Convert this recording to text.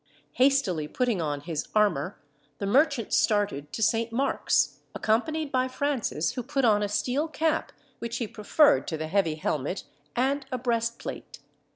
Hastily putting on his armour, the merchant started to Saint Mark's, accompanied by Francis, who put on a steel cap, which he preferred to the heavy helmet, and a breastplate.